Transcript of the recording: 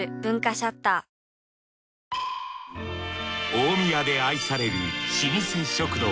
大宮で愛される老舗食堂。